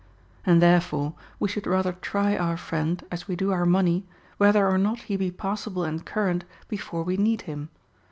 And therefore we should rather try our friend, as we do our money, whether or not he be passable and current, before we need him.